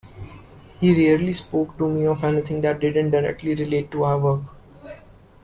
He rarely spoke to me of anything that didn't directly relate to our work.